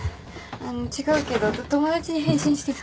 違うけど友達に返信してた。